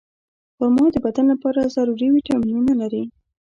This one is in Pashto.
خرما د بدن لپاره ضروري ویټامینونه لري.